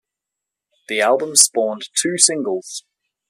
The album spawned two singles.